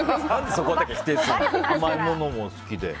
甘いものも好きで。